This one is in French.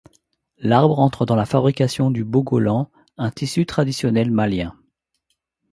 L'arbre entre dans la fabrication du bogolan, un tissu traditional malien.